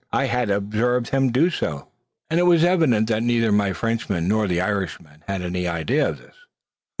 I had observed him do so, and it was evident that neither my Frenchman nor the Irishman had any idea of this.